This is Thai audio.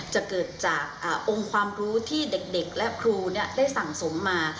จะเกิดจากองค์ความรู้ที่เด็กและครูได้สั่งสมมา